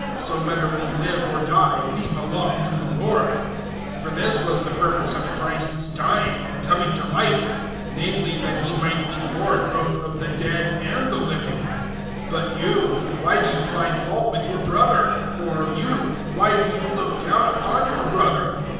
So whether we live or die, we belong to the Lord. 014:009 For this was the purpose of Christ's dying and coming to life namely that He might be Lord both of the dead and the living. 014:010 But you, why do you find fault with your brother? Or you, why do you look down upon your brother?